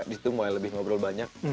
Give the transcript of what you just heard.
di situ mulai lebih ngobrol banyak